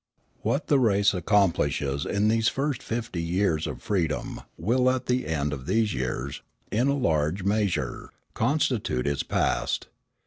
What the race accomplishes in these first fifty years of freedom will at the end of these years, in a large measure, constitute its past.